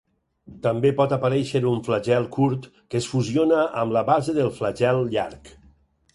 També pot aparèixer un flagel curt que es fusiona amb la base del flagel llarg.